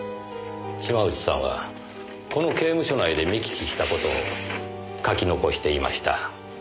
島内さんはこの刑務所内で見聞きした事を書き残していました。